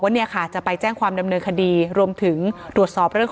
เนี่ยค่ะจะไปแจ้งความดำเนินคดีรวมถึงตรวจสอบเรื่องของ